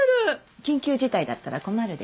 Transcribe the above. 緊急事態だったら困るでしょ。